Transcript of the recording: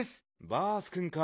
バースくんか。